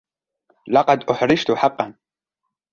لقد أُحرجت حقاً.